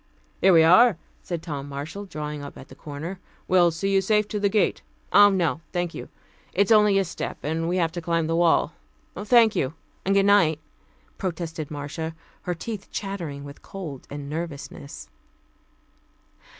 "Here we are," said Tom Marshall, drawing up at the corner. "We'll see you safe to the gate " "Oh, no, thank you. It is only a step, and we have to climb the wall. Thank you, and goodnight," protested Marcia, her teeth chattering with cold and nervousness.